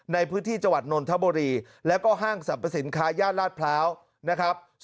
ในพื้นที่จังหวัดนนทบุรีแล้วก็ห้างสรรพสินค้าย่านลาดพร้าวนะครับ